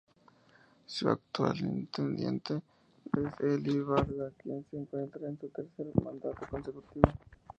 Su actual intendente es Eli Barda quien se encuentra en su tercer mandato consecutivo.